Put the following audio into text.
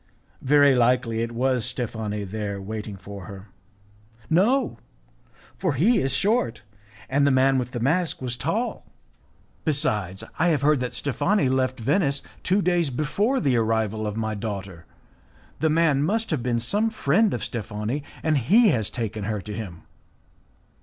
"Very likely it was Steffani waiting there for her." "No, for he is short, and the man with the mask was tall. Besides, I have heard that Steffani had left Venice two days before the arrival of my daughter. The man must have been some friend of Steffani, and he has taken her to him."